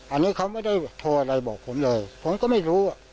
อันนี้เขาไม่ได้โทรอะไรบอกผมเลยผมก็ไม่รู้